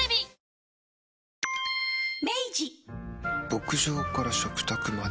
牧場から食卓まで。